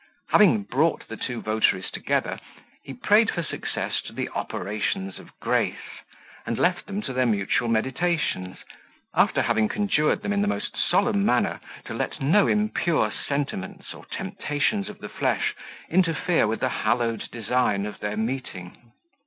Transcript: Having brought the two votaries together, he prayed for success to the operations of grace, and left them to their mutual meditations, after having conjured them in the most solemn manner to let no impure sentiments or temptations of the flesh interfere with the hallowed design of their meeting.